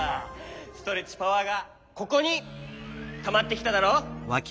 ストレッチパワーがここにたまってきただろ。